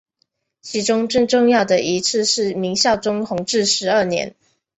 其中最重要的一次是明孝宗弘治十二年。